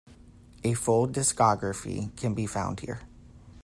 A full discography can be found here.